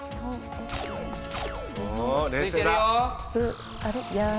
落ち着いてるよ。